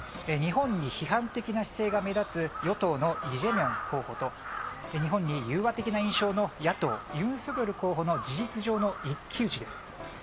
日本に批判的な姿勢が目立つ与党のイ・ジェミョン候補と日本に融和的な印象の野党、ユン・ソギョル候補の事実上の一騎打ちです。